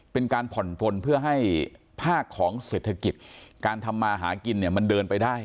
เป็นการผ่อนปลนเพื่อให้ภาคของเศรษฐกิจการทำมาหากินเนี่ยมันเดินไปได้